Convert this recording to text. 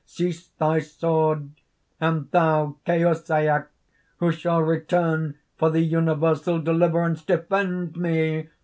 seize thy sword! And thou, Kaosyac, who shall return for the universal deliverance, defend me!